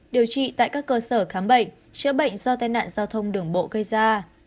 điều trị tại các cơ sở khám bệnh chữa bệnh do tai nạn giao thông đường bộ gây ra